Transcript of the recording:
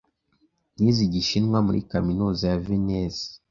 Nize Igishinwa muri kaminuza ya Venise.